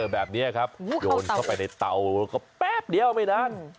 แบบนี้ครับโยนเข้าไปในเตาก็แป๊บเดียวไม่นาน